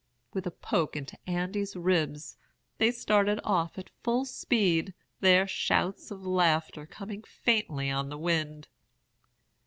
With a poke into Andy's ribs, they started off at full speed, their shouts of laughter coming faintly on the wind.